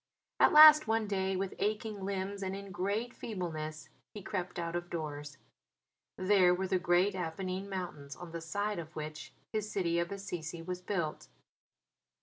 At last one day, with aching limbs and in great feebleness, he crept out of doors. There were the great Apennine Mountains on the side of which his city of Assisi was built.